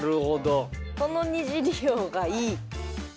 この２次利用がいい。